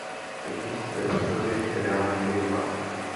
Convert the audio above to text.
Egyptské úřady reagují rychle.